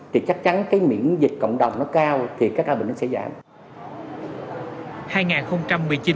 thì chắc chắn miễn dịch cộng đồng nó cao thì các ca bệnh nó sẽ giảm